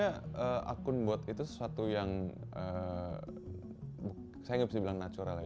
sebenarnya akun bot itu sesuatu yang saya nggak bisa bilang natural aja